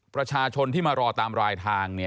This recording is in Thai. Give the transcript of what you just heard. ประชาชนที่มารอตามรายทาง